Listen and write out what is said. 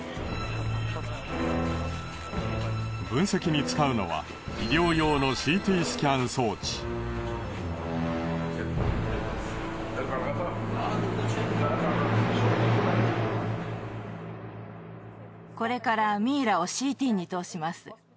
分析に使うのは医療用のこれからミイラをＣＴに通します。